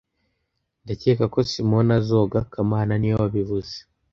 Ndakeka ko Simoni azoga kamana niwe wabivuze